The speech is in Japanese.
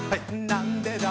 なんでだ？